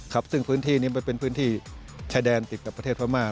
ครับซึ่งพื้นที่นี้มันเป็นพื้นที่ชายแดนติดกับประเทศพม่า